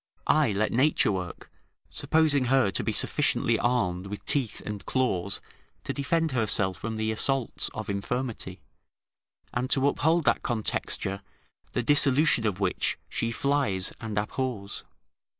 I let nature work, supposing her to be sufficiently armed with teeth and claws to defend herself from the assaults of infirmity, and to uphold that contexture, the dissolution of which she flies and abhors.